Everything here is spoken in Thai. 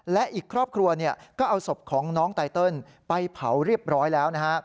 และอีกครอบครัวก็เอาศพของน้องไตเติลไปเผาเรียบร้อยแล้วนะฮะ